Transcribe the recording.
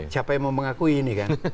siapa yang mau mengakui ini kan